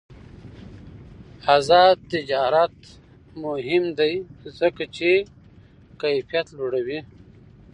آزاد تجارت مهم دی ځکه چې کیفیت لوړوي.